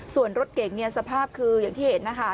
ส่วนรถเก่งเนี่ยสภาพคืออย่างที่เห็นนะคะ